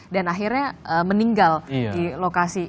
dan akhirnya meninggal di lokasi